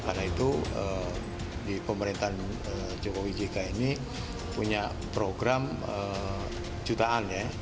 karena itu di pemerintahan jokowi jk ini punya program jutaan ya